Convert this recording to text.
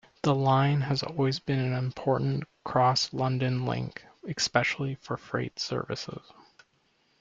The line has always been an important cross-London link especially for freight services.